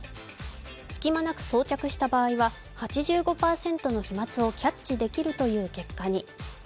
隙間なく装着した場合は８５％の飛まつをキャッチできるという結果に。